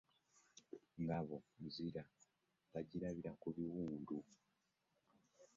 Ngabo nzira bagirabira ku biwundu.